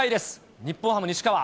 日本ハム、西川。